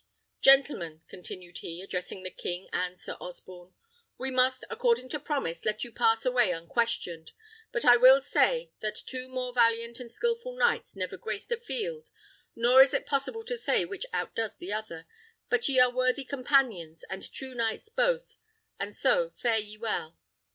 "Gentlemen," continued he, addressing the king and Sir Osborne, "we must, according to promise, let you pass away unquestioned; but I will say, that two more valiant and skilful knights never graced a field, nor is it possible to say which outdoes the other; but ye are worthy companions and true knights both, and so fare ye well."